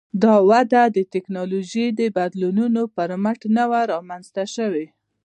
دا وده د ټکنالوژیکي بدلونونو پر مټ نه وه رامنځته شوې